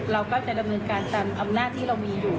เราก็จะดำเนินการตามอำนาจที่เรามีอยู่